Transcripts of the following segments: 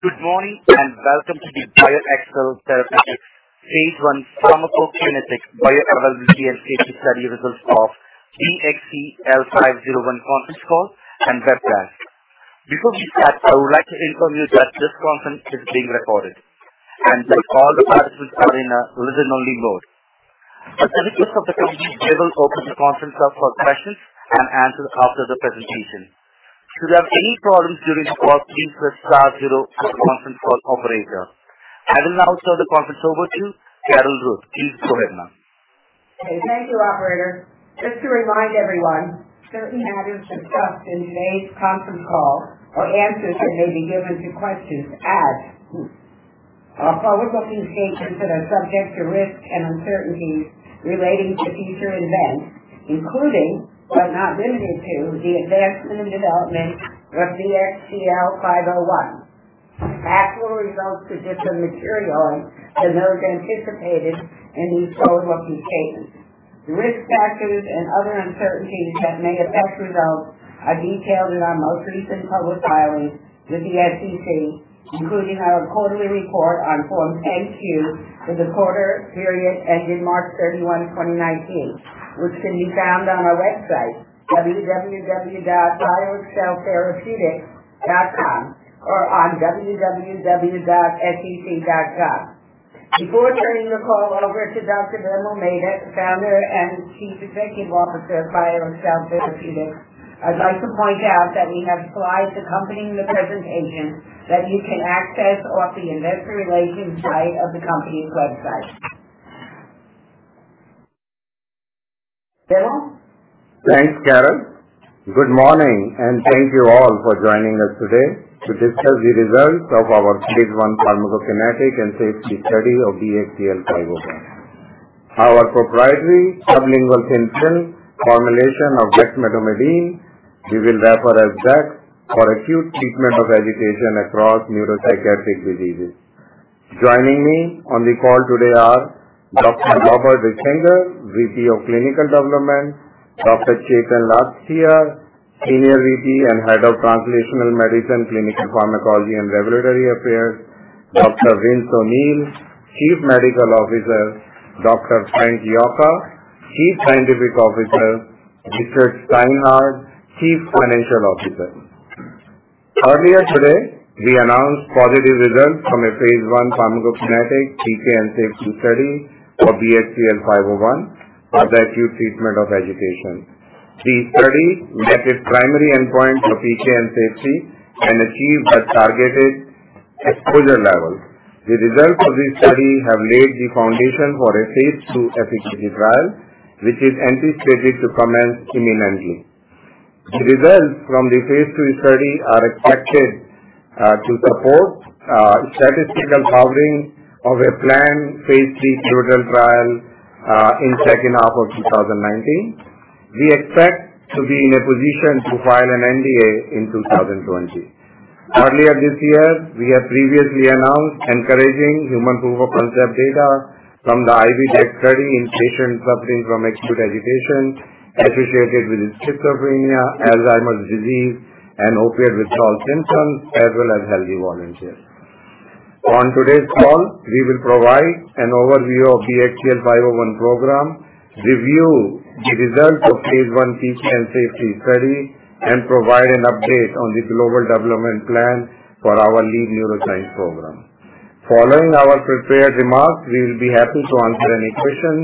Good morning, and welcome to the BioXcel Therapeutics Phase I Pharmacokinetic Bioavailability and Safety Study results of BXCL501 conference call and webcast. Before we start, I would like to inform you that this conference is being recorded and that all the participants are in a listen-only mode. The executives of the company will open the conference up for questions and answers after the presentation. If you have any problems during the call, please press star zero for the conference call operator. I will now turn the conference over to Carol Ruth. Please go ahead, ma'am. Okay. Thank you, operator. Just to remind everyone, certain matters discussed in today's conference call or answers that may be given to questions asked are forward-looking statements that are subject to risks and uncertainties relating to future events, including, but not limited to, the advancement and development of BXCL501. Actual results could differ materially than those anticipated in these forward-looking statements. Risk factors and other uncertainties that may affect results are detailed in our most recent public filings with the SEC, including our quarterly report on Form 10-Q for the quarter period ending March 31, 2019, which can be found on our website, www.bioxceltherapeutics.com, or on www.sec.com. Before turning the call over to Dr. Vimal Mehta, founder and chief executive officer of BioXcel Therapeutics, I'd like to point out that we have slides accompanying the presentation that you can access off the investor relations site of the company's website. Vimal. Thanks, Carol. Good morning, and thank you all for joining us today to discuss the results of our Phase I pharmacokinetic and safety study of BXCL501. Our proprietary sublingual thin film formulation of dexmedetomidine, we will refer as DEX, for acute treatment of agitation across neuropsychiatric diseases. Joining me on the call today are Dr. Robert Risinger, VP of Clinical Development, Dr. Chetan Lathia, Senior VP and Head of Translational Medicine, Clinical Pharmacology, and Regulatory Affairs, Dr. Vincent O'Neill, Chief Medical Officer, Dr. Frank Yocca, Chief Scientific Officer, Richard Steinhart, Chief Financial Officer. Earlier today, we announced positive results from a Phase I pharmacokinetic PK and safety study for BXCL501 for the acute treatment of agitation. The study met its primary endpoint for PK and safety and achieved the targeted exposure level. The results of this study have laid the foundation for a Phase II efficacy trial, which is anticipated to commence imminently. The results from the Phase II study are expected to support statistical powering of a planned Phase III pivotal trial in second half of 2019. We expect to be in a position to file an NDA in 2020. Earlier this year, we have previously announced encouraging human proof of concept data from the IV DEX study in patients suffering from acute agitation associated with schizophrenia, Alzheimer's disease, and opiate withdrawal symptoms, as well as healthy volunteers. On today's call, we will provide an overview of BXCL501 program, review the results of Phase I PK and safety study, and provide an update on the global development plan for our lead neuroscience program. Following our prepared remarks, we'll be happy to answer any questions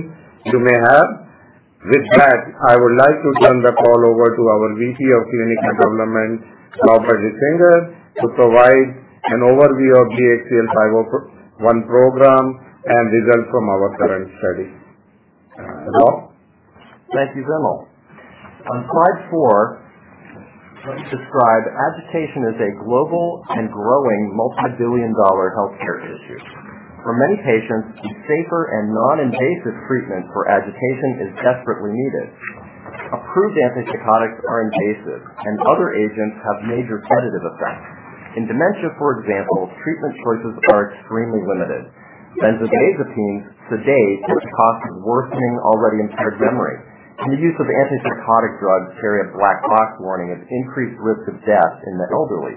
you may have. With that, I would like to turn the call over to our VP of Clinical Development, Robert Risinger, to provide an overview of BXCL501 program and results from our current study. Bob. Thank you, Vimal. On slide four, describe agitation as a global and growing multibillion-dollar healthcare issue. For many patients, a safer and non-invasive treatment for agitation is desperately needed. Approved antipsychotics are invasive, and other agents have major sedative effects. In dementia, for example, treatment choices are extremely limited. Benzodiazepines sedate, which causes worsening already impaired memory, and the use of antipsychotic drugs carry a black box warning of increased risk of death in the elderly.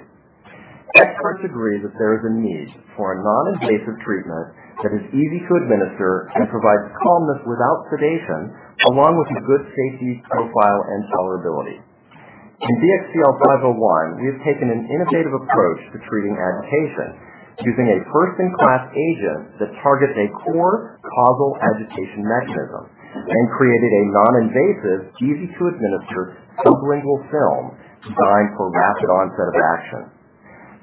Experts agree that there is a need for a non-invasive treatment that is easy to administer and provides calmness without sedation, along with a good safety profile and tolerability. In BXCL501, we have taken an innovative approach to treating agitation using a first-in-class agent that targets a core causal agitation mechanism and created a non-invasive, easy-to-administer sublingual film designed for rapid onset of action.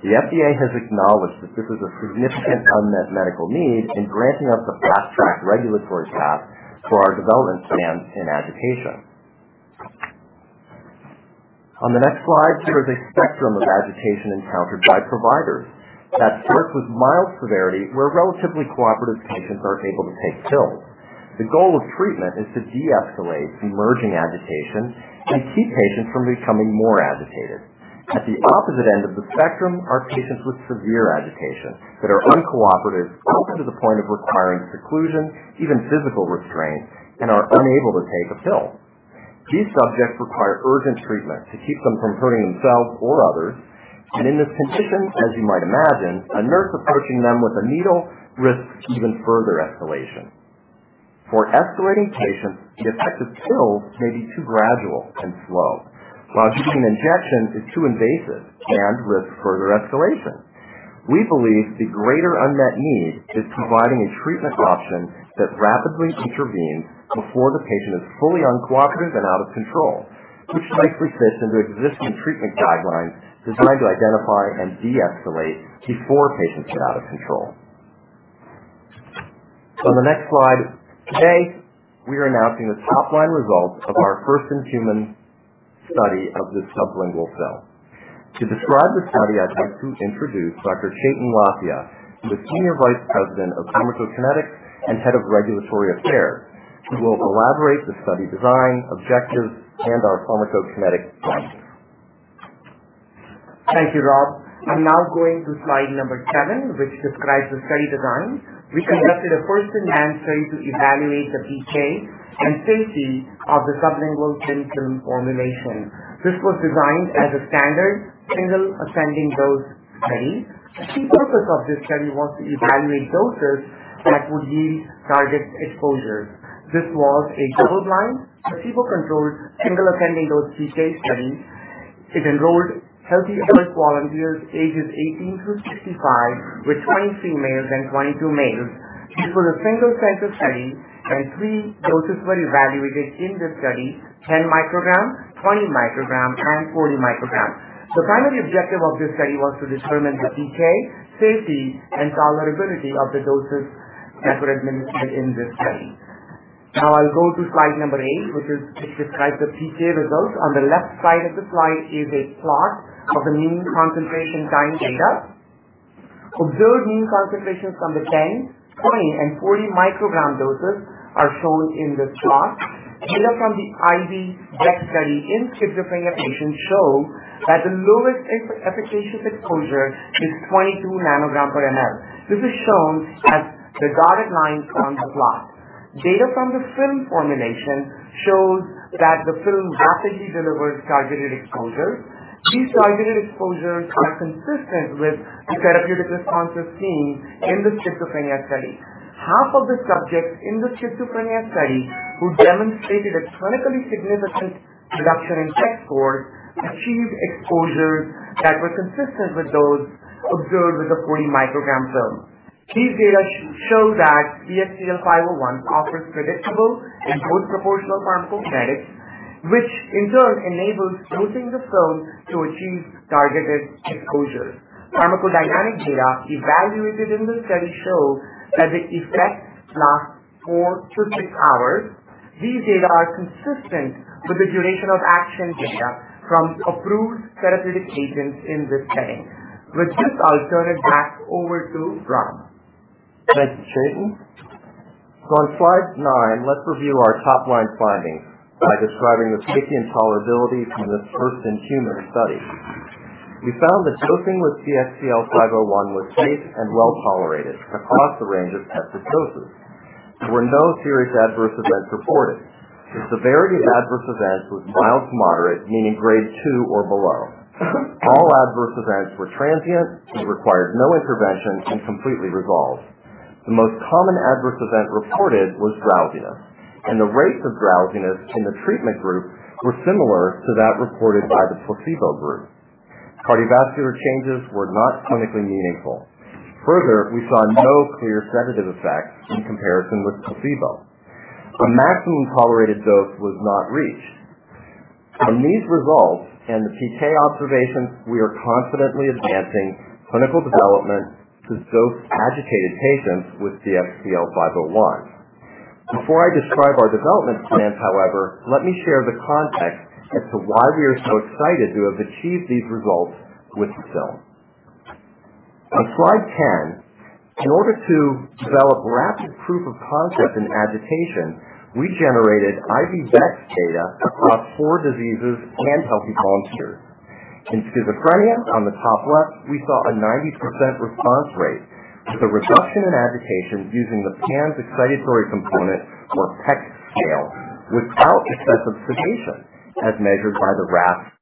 The FDA has acknowledged that this is a significant unmet medical need in granting us a Fast Track regulatory path for our development plans in agitation. On the next slide, here is a spectrum of agitation encountered by providers that starts with mild severity, where relatively cooperative patients are able to take pills. The goal of treatment is to deescalate the emerging agitation and keep patients from becoming more agitated. At the opposite end of the spectrum are patients with severe agitation that are uncooperative, often to the point of requiring seclusion, even physical restraint, and are unable to take a pill. These subjects require urgent treatment to keep them from hurting themselves or others. In this condition, as you might imagine, a nurse approaching them with a needle risks even further escalation. For escalating patients, the effect of pills may be too gradual and slow, while giving an injection is too invasive and risks further escalation. We believe the greater unmet need is providing a treatment option that rapidly intervenes before the patient is fully uncooperative and out of control, which nicely fits into existing treatment guidelines designed to identify and de-escalate before patients are out of control. On the next slide, today, we are announcing the top-line results of our first-in-human study of this sublingual film. To describe the study, I'd like to introduce Dr. Chetan Lathia, the Senior Vice President of pharmacokinetics and Head of Regulatory Affairs, who will elaborate the study design, objectives, and our pharmacokinetic findings. Thank you, Rob. I'm now going to slide number seven, which describes the study design. We conducted a first-in-human study to evaluate the PK and safety of the sublingual film formulation. This was designed as a standard single ascending dose study. The key purpose of this study was to evaluate doses that would yield target exposures. This was a double-blind, placebo-controlled, single ascending dose PK study. It enrolled healthy adult volunteers ages 18 through 65, with 20 females and 22 males. This was a single-center study, and three doses were evaluated in this study, 10 micrograms, 20 micrograms, and 40 micrograms. The primary objective of this study was to determine the PK, safety, and tolerability of the doses that were administered in this study. Now I'll go to slide number eight, which describes the PK results. On the left side of the slide is a plot of the mean concentration time data. Observed mean concentrations from the 10, 20, and 40 microgram doses are shown in this plot. Data from the IV Dex study in schizophrenia patients show that the lowest efficacious exposure is 22 nanograms per mL. This is shown as the dotted line on the plot. Data from the film formulation shows that the film rapidly delivers targeted exposures. These targeted exposures are consistent with the therapeutic responses seen in the schizophrenia study. Half of the subjects in the schizophrenia study who demonstrated a clinically significant reduction in PEC score achieved exposures that were consistent with those observed with the 40 microgram film. These data show that BXCL501 offers predictable and dose-proportional pharmacokinetics, which in turn enables dosing the film to achieve targeted exposures. Pharmacodynamic data evaluated in the study show that the effects last four to six hours. These data are consistent with the duration of action data from approved therapeutic agents in this setting. With this, I'll turn it back over to Rob. Thank you, Chetan. On slide nine, let's review our top-line findings by describing the safety and tolerability from this first-in-human study. We found that dosing with BXCL501 was safe and well-tolerated across a range of tested doses. There were no serious adverse events reported. The severity of adverse events was mild to moderate, meaning grade 2 or below. All adverse events were transient and required no intervention and completely resolved. The most common adverse event reported was drowsiness, and the rates of drowsiness in the treatment group were similar to that reported by the placebo group. Cardiovascular changes were not clinically meaningful. Further, we saw no clear sedative effects in comparison with the placebo. A maximum tolerated dose was not reached. On these results and the PK observations, we are confidently advancing clinical development to dose agitated patients with BXCL501. Before I describe our development plans, however, let me share the context as to why we are so excited to have achieved these results with the film. On slide 10, in order to develop rapid proof of concept in agitation, we generated IV Dex data across four diseases and healthy volunteers. In schizophrenia, on the top left, we saw a 90% response rate with a reduction in agitation using the PANSS Excited Component or PEC scale without excessive sedation as measured by the RASS. Do we have the operator? Yes. Where? That's a wrap. I thought it might be.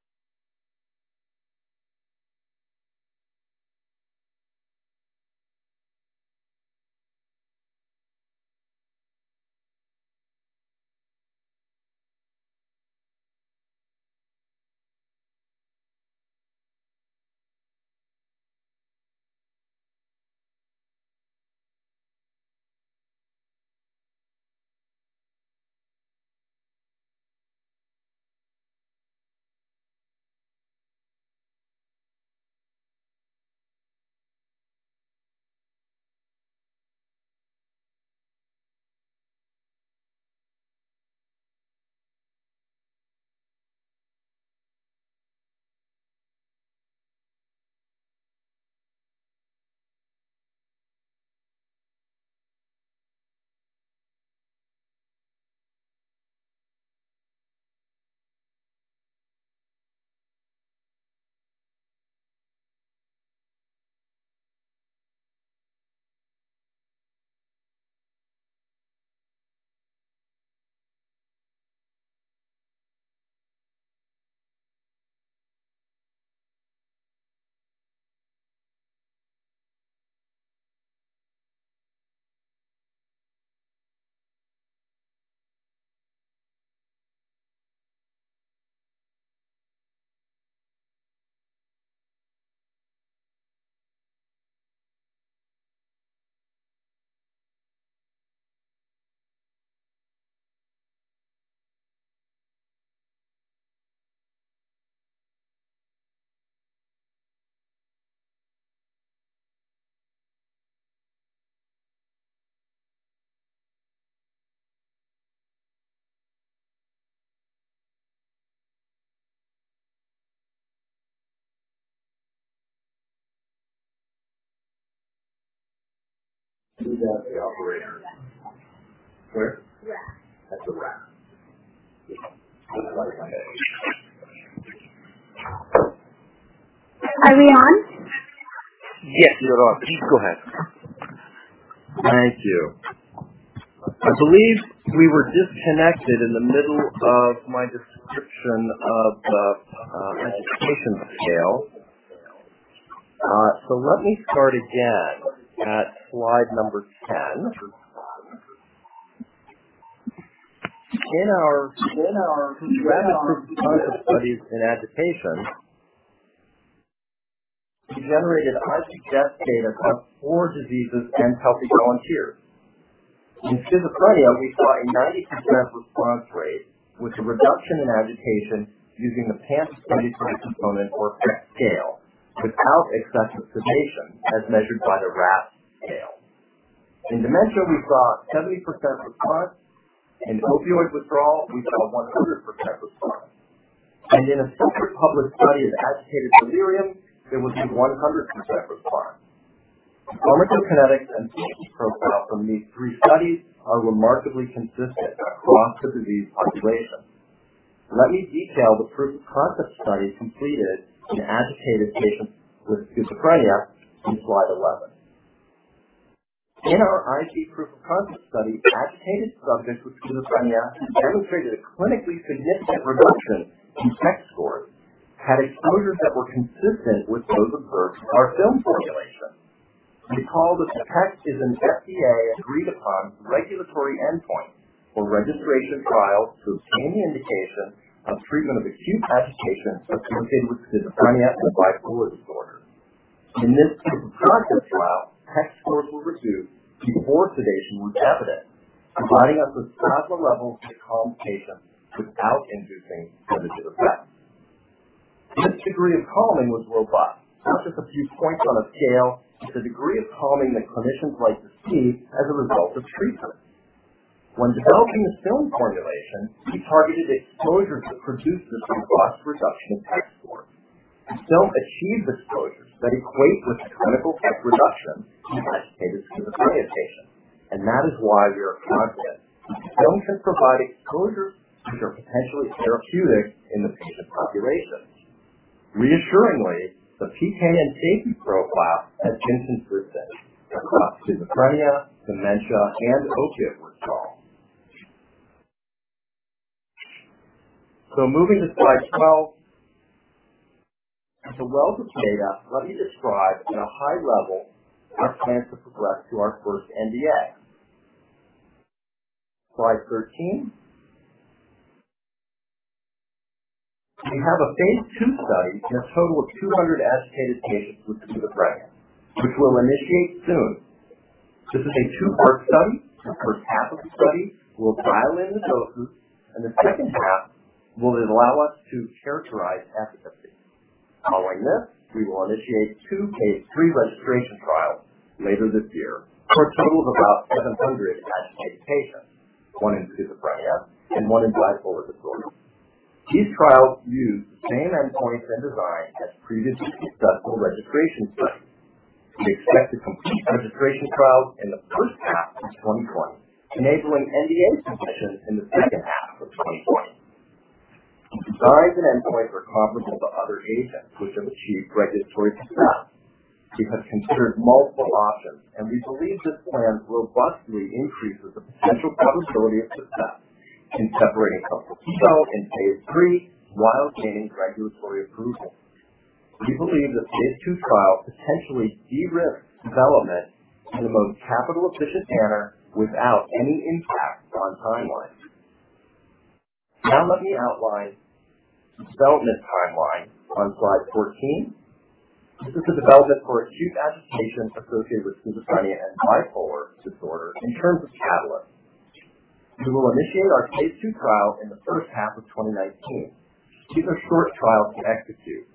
Are we on? Yes, you're on. Please go ahead. Thank you. I believe we were disconnected in the middle of my description of the agitation scale. Let me start again at slide number 10. In our proof-of-concept studies in agitation, we generated IV Dex data for four diseases and healthy volunteers. In schizophrenia, we saw a 90% response rate with a reduction in agitation using the PANSS-EC component or PEC scale without excessive sedation as measured by the RASS scale. In dementia, we saw 70% response. In opioid withdrawal, we saw 100% response. In a separate public study of agitated delirium, there was a 100% response. Pharmacokinetics and safety profile from these three studies are remarkably consistent across the disease population. Let me detail the proof-of-concept study completed in agitated patients with schizophrenia in slide 11. In our IV Dex proof-of-concept study, agitated subjects with schizophrenia demonstrated a clinically significant reduction in PEC scores, had exposures that were consistent with those observed in our film formulation. Recall that PEC is an FDA agreed upon regulatory endpoint for registration trials to obtain the indication of treatment of acute agitation associated with schizophrenia and bipolar disorder. In this proof-of-concept trial, PEC scores were reduced before sedation was evident, providing us with plasma levels that calm patients without inducing sedative effects. This degree of calming was robust. Not just a few points on a scale, but the degree of calming that clinicians like to see as a result of treatment. When developing the film formulation, we targeted exposures that produce this robust reduction in PEC scores. The film achieved exposures that equate with the clinical PEC reduction in agitated schizophrenia patients, and that is why we are confident the films can provide exposures which are potentially therapeutic in the patient population. Reassuringly, the PK and safety profile has been consistent across schizophrenia, dementia, and opioid withdrawal. Moving to slide 12. With the wealth of data, let me describe at a high level our plan to progress to our first NDA. Slide 13. We have a Phase II study in a total of 200 agitated patients with schizophrenia, which we'll initiate soon. This is a two-part study. The first half of the study will dial in the dose group, and the second half will then allow us to characterize efficacy. Following this, we will initiate two Phase III registration trials later this year for a total of about 700 agitated patients, one in schizophrenia and one in bipolar disorder. These trials use the same endpoints and design as previously discussed for registration studies. We expect to complete the registration trials in the first half of 2020, enabling NDA submission in the second half of 2020. The design and endpoint are comparable to other agents which have achieved regulatory success. We have considered multiple options, we believe this plan robustly increases the potential probability of success in separating clinical POC in Phase III while gaining regulatory approval. We believe the Phase II trial potentially de-risks development in the most capital-efficient manner without any impact on timelines. Let me outline development timeline on slide 14. This is the development for acute agitation associated with schizophrenia and bipolar disorder in terms of catalysts. We will initiate our Phase II trial in the first half of 2019. These are short trials to execute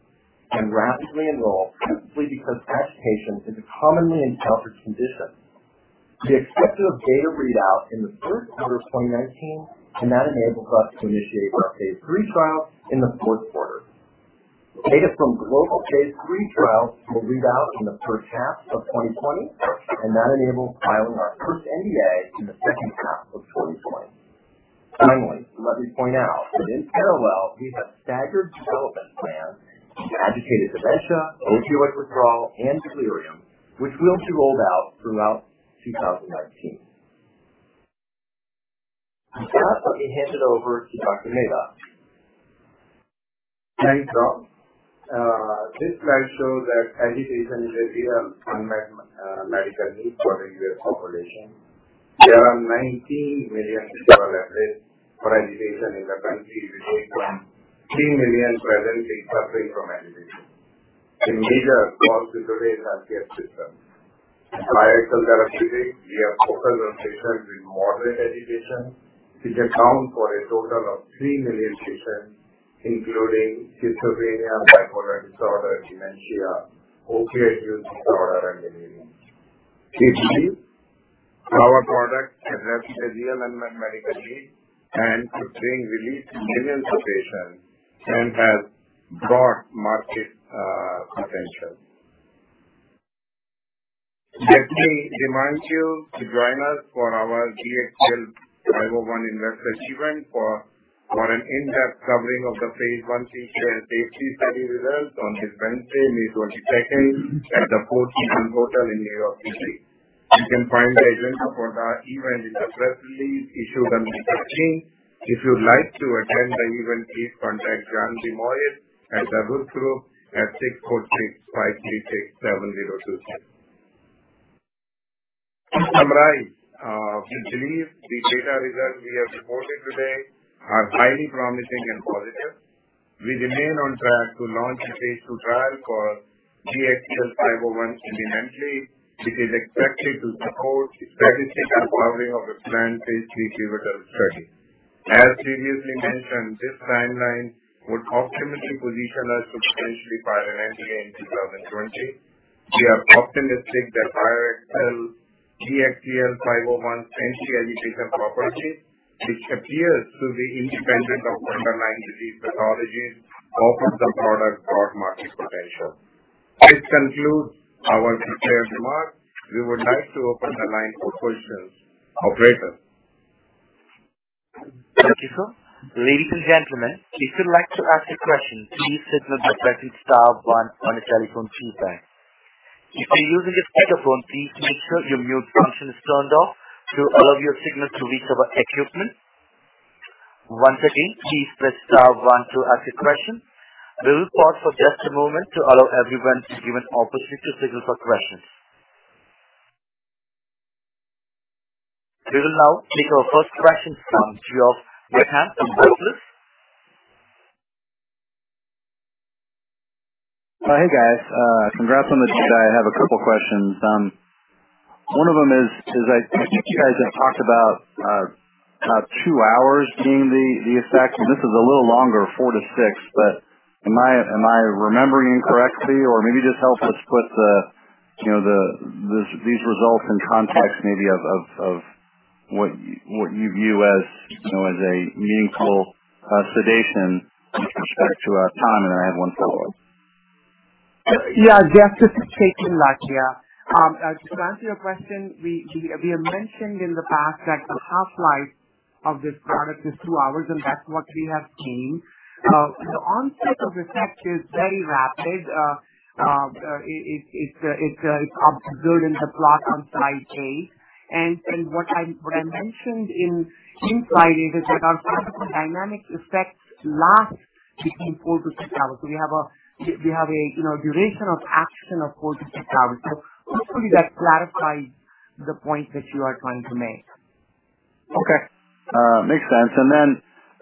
and rapidly enroll, principally because agitation is a commonly encountered condition. We expect to have data readout in the third quarter of 2019, that enables us to initiate our Phase III trial in the fourth quarter. Data from global Phase III trials will read out in the first half of 2020, that enables filing our first NDA in the second half of 2020. Finally, let me point out that in parallel, we have staggered development plans for agitated dementia, opioid withdrawal, and delirium, which we'll be rolled out throughout 2019. With that, let me hand it over to Dr. Mehta. Thanks, Rob. This slide shows that agitation is a real unmet medical need for the U.S. population. There are 19 million total beds for agitation in the country. We take from three million presently suffering from agitation. A major cost to today's healthcare system. At BioXcel Therapeutics, we have total patients with moderate agitation, which account for a total of three million patients, including schizophrenia, bipolar disorder, dementia, opioid use disorder, and delirium. Each of our products address a real unmet medical need and could bring relief to millions of patients and has broad market potential. Let me remind you to join us for our BXCL501 Investor Event for an in-depth covering of the Phase I safety study results on this Wednesday, May 22nd at the Four Seasons Hotel in New York City. You can find the agenda for the event in the press release issued on May 15th. If you'd like to attend the event, please contact Grant Desnoyers at the Booth Group at 643-536-7026. To summarize, we believe the data results we have reported today are highly promising and positive. We remain on track to launch a Phase II trial for BXCL501 independently, which is expected to support the statistic powering of a planned Phase III pivotal study. As previously mentioned, this timeline would optimally position us for submission by the FDA in 2020. We are optimistic that BioXcel's BXCL501 central agitation property, which appears to be independent of underlying disease pathologies, offers the product broad market potential. This concludes our prepared remarks. We would like to open the line for questions. Operator. Thank you, sir. Ladies and gentlemen, if you'd like to ask a question, please signal by pressing star one on your telephone keypad. If you're using a speakerphone, please make sure your mute function is turned off to allow your signal to reach our equipment. Once again, please press star one to ask a question. We will pause for just a moment to allow everyone an opportunity to signal for questions. We will now take our first question from Geoff Whitehand from Baillie Gifford. Hey, guys. Congrats on the data. I have a couple questions. One of them is, I think you guys have talked about two hours being the effect, and this is a little longer, four to six. Am I remembering incorrectly? Maybe just help us put these results in context maybe of what you view as a meaningful sedation with respect to time. I have one follow-up. Yeah. This is Chetan Lathia. To answer your question, we have mentioned in the past that the half-life of this product is two hours, and that's what we have seen. The onset of effect is very rapid. It's observed in the plot on slide eight. What I mentioned in slide eight is that our pharmacodynamic effects last between four to six hours. We have a duration of action of four to six hours. Hopefully that clarifies the point that you are trying to make. Okay. Makes sense. Then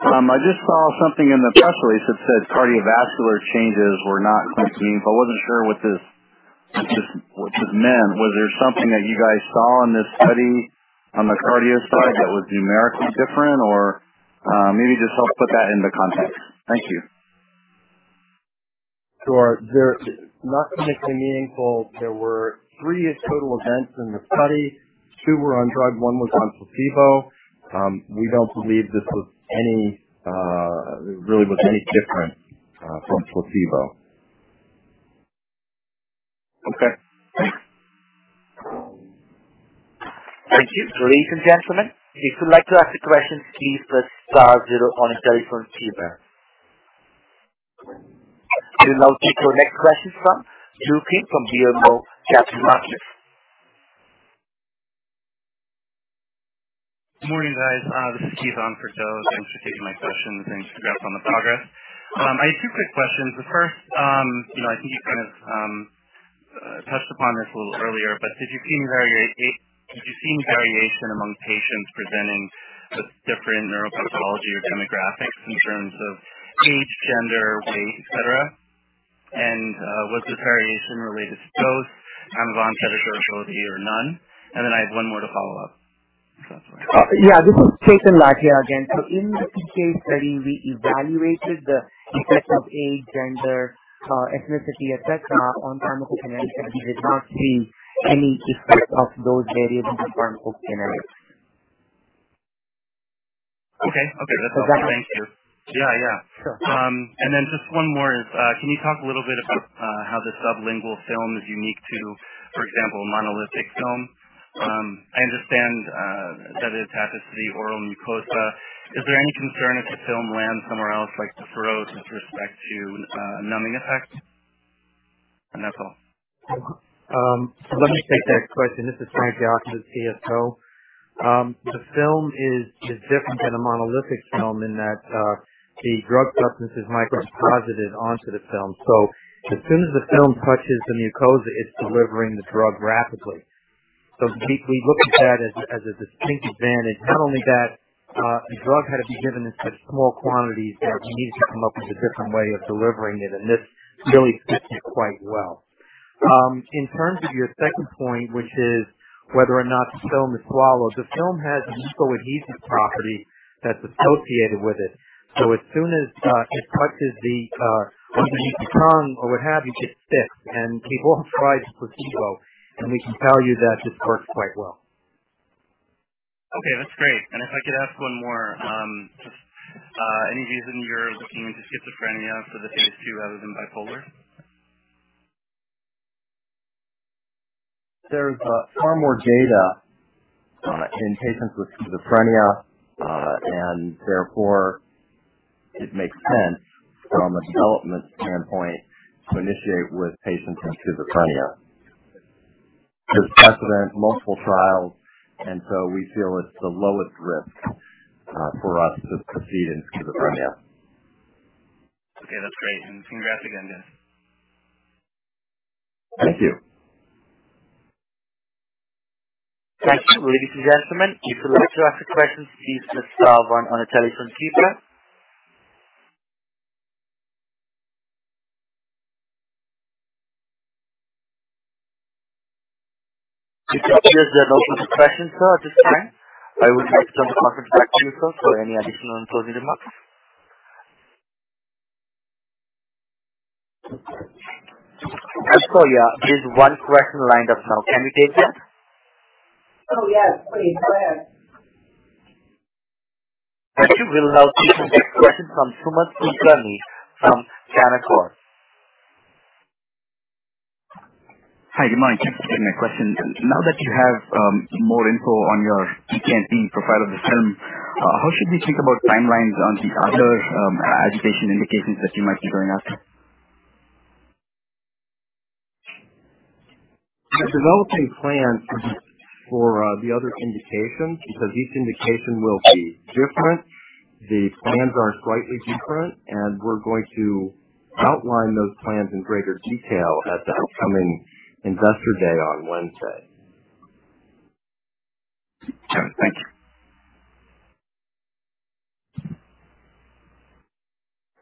I just saw something in the press release that said cardiovascular changes were not clinically. I wasn't sure what this meant. Was there something that you guys saw in this study on the cardio side that was numerically different? Maybe just help put that into context. Thank you. Sure. Not clinically meaningful. There were three total events in the study. Two were on drug, one was on placebo. We don't believe this really was any different from placebo. Okay. Thanks. Thank you. Ladies and gentlemen, if you'd like to ask a question, please press star zero on your telephone keypad. We will now take our next question from Keith Anker from BMO Capital Markets. Morning, guys. This is Keith Anker. Thanks for taking my questions, and congrats on the progress. I had two quick questions. The first, I think you touched upon this a little earlier. Did you see any variation among patients presenting with different neuropathology or demographics in terms of age, gender, weight, et cetera? Was the variation related to dose, pharmacokinetics, or none? Then I have one more to follow up. Yeah. This is Chetan Lathia again. In the PK study, we evaluated the effect of age, gender, ethnicity, et cetera, on pharmacokinetics. We did not see any effect of those variables on pharmacokinetics. Okay. That's all. Thank you. Yeah. Just one more is, can you talk a little bit about how the sublingual film is unique to, for example, monolithic film? I understand that it attaches to the oral mucosa. Is there any concern if the film lands somewhere else, like the pharynx, with respect to a numbing effect? That's all. Let me take that question. This is Frank Yocca, CSO. The film is different than a monolithic film in that the drug substance is micro-deposited onto the film. As soon as the film touches the mucosa, it's delivering the drug rapidly. We look at that as a distinct advantage. Not only that, the drug had to be given in such small quantities that we needed to come up with a different way of delivering it. This really fits it quite well. In terms of your second point, which is whether or not the film is swallowed. The film has a mutual adhesive property that's associated with it. As soon as it touches the tongue or what have you, it sticks. We've all tried Placebo. We can tell you that it works quite well. Okay, that's great. If I could ask one more. Just any reason you're looking into schizophrenia for the Phase II rather than bipolar? There's far more data in patients with schizophrenia, and therefore it makes sense from a development standpoint to initiate with patients with schizophrenia. There's precedent, multiple trials, and so we feel it's the lowest risk for us to proceed in schizophrenia. Okay, that's great. Congrats again, Dan. Thank you. Thank you. Ladies and gentlemen, if you would like to ask a question, please press star one on your telephone keypad. It appears there are no further questions, sir, at this time. I would like to turn the conference back to you, sir, for any additional closing remarks. Sorry, there's one question lined up now. Can we take that? Oh, yes, please. Go ahead. Thank you. We'll now take the next question from Sumant Kulkarni from Canaccord Genuity. Hi, good morning. Thanks for taking my question. Now that you have more info on your PK and PD profile of the film, how should we think about timelines on the other agitation indications that you might be going after? We're developing plans for the other indications because each indication will be different. The plans are slightly different, and we're going to outline those plans in greater detail at the upcoming Investor Day on Wednesday. Sure. Thank you.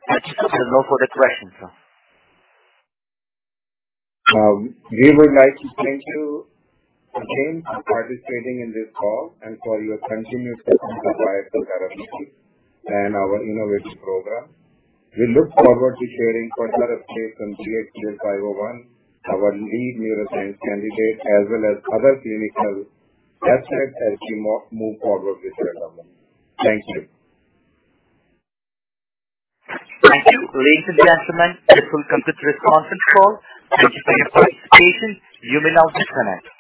There are no further questions, sir. We would like to thank you again for participating in this call and for your continuous support of BioXcel Therapeutics and our innovative program. We look forward to sharing further updates on BXCL501, our lead neuroscience candidate, as well as other clinical assets as we move forward with development. Thank you. Thank you. Ladies and gentlemen, this will conclude this conference call. Thank you for your participation. You may now disconnect.